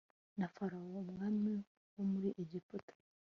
na farawo umwami wo muri egiputa